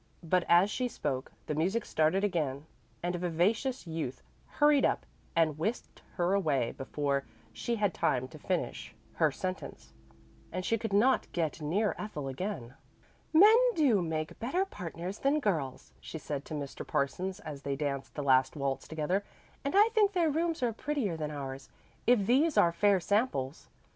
But as she spoke the music started again and a vivacious youth hurried up and whisked her away before she had time to finish her sentence; and she could not get near Ethel again. "Men do make better partners than girls," she said to Mr. Parsons as they danced the last waltz together. "And I think their rooms are prettier than ours, if these are fair samples.